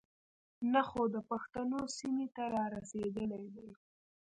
نۀ خو د پښتنو سيمې ته را رسېدلے دے.